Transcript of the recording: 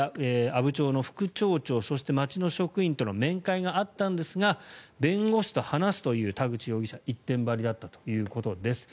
阿武町の副町長そして町の職員との面会があったんですが弁護士と話すという田口容疑者、一点張りだったということです。